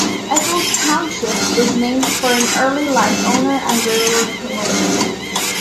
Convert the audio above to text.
Eckles Township was named for an early landowner and railroad promoter.